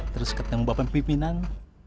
terus ketemu bapak pimpinan